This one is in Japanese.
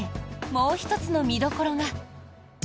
もう１つの見どころが。